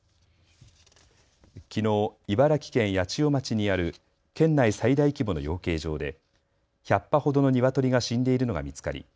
きのう茨城県八千代町にある県内最大規模の養鶏場で１００羽ほどのニワトリが死んでいるのが見つかり